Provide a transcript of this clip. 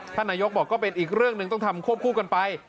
นายกบอกก็เป็นอีกเรื่องหนึ่งต้องทำควบคู่กันไป